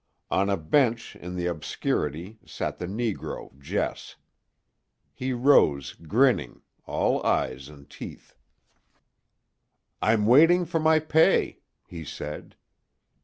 On a bench in the obscurity sat the negro Jess. He rose, grinning, all eyes and teeth. "I'm waiting for my pay," he said.